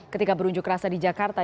ketika berunjuk rasa di jakarta